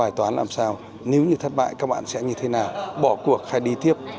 bài toán làm sao nếu như thất bại các bạn sẽ như thế nào bỏ cuộc hay đi tiếp